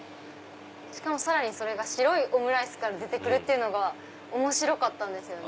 しかもそれが白いオムライスから出て来るっていうのが面白かったんですよね。